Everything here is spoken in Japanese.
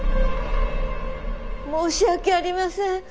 申し訳ありません。